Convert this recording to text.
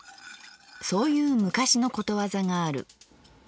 そういう昔のことわざがある。